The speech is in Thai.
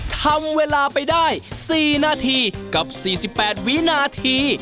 ทำเวลาไปได้๔นาทีกับ๔๘วินาที